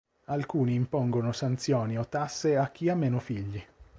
Alcuni impongono sanzioni o tasse a chi ha meno figli.